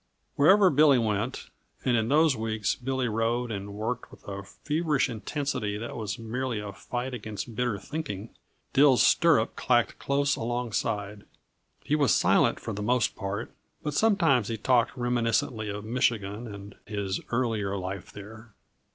Wherever Billy went and in those weeks Billy rode and worked with a feverish intensity that was merely a fight against bitter thinking Dill's stirrup clacked close alongside. He was silent, for the most part, but sometimes he talked reminiscently of Michigan and his earlier life there.